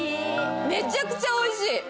めちゃくちゃおいしい！